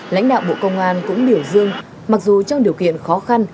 lãnh đạo bộ công an cũng biểu dương mặc dù trong điều kiện khó khăn